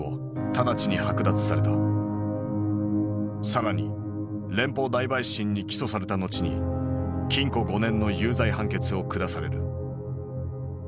更に連邦大陪審に起訴された後に禁錮５年の有罪判決を下される。